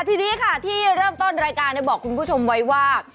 ทีนี้ค่ะที่เริ่มต้นรายการบอกคุณผู้ชมไว้ว่า